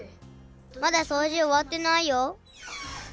まだそうじおわってないよ。